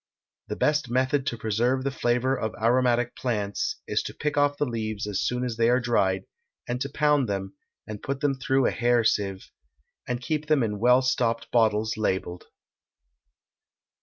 The best method to preserve the flavor of aromatic plants is to pick off the leaves as soon as they are dried, and to pound them, and put them through a hair sieve, and keep them in well stopped bottles labelled.